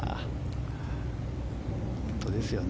本当ですよね。